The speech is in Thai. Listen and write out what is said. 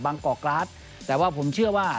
กอกกราศแต่ว่าผมเชื่อว่า